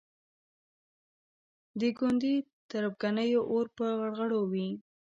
د ګوندي تربګنیو اور په غړغړو وي.